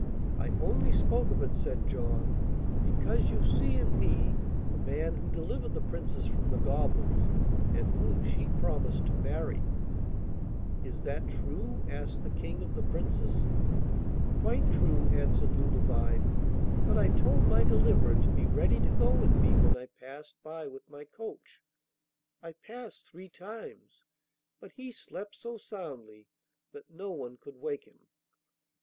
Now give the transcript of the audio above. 'I only spoke of it,' said John, 'because you see in me the man who delivered the Princess from the goblins and whom she promised to marry.' 'Is that true?' asked the King of the Princess. 'Quite true,' answered Ludovine. 'But I told my deliverer to be ready to go with me when I passed by with my coach. I passed three times, but he slept so soundly that no one could wake him.